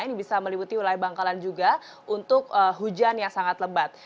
ini bisa meliputi wilayah bangkalan juga untuk hujan yang sangat lebat